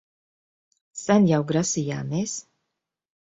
Sen jau grasījāmies...